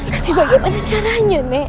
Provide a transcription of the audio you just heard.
tapi bagaimana caranya nek